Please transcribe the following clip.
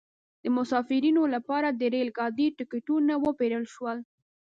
د مسافرینو لپاره د ریل ګاډي ټکټونه وپیرل شول.